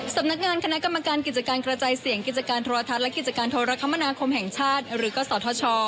สำนักงานคณะกรรมการกิจการกระจายเสียงกิจการโทรทัศน์และกิจการโทรคมนาคมแห่งชาติหรือกศธช